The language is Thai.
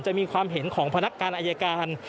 จะมีความเห็นของพนักการอายการ